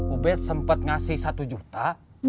ubed sempat ngasih satu juta